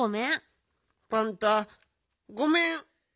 パンタごめん！